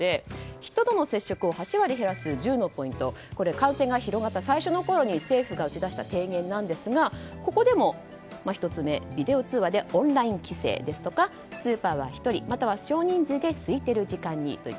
人との接触を８割減らす１０のポイント感染が広がった最初のころに政府が打ち出した提言なんですがここでも、１つ目ビデオ通話でオンライン帰省やスーパーは１人または少人数ですいてる時間に。